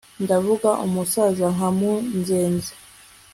ndavuga umusaza nka munzenze